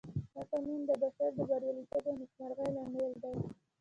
دا قانون د بشر د برياليتوب او نېکمرغۍ لامل دی.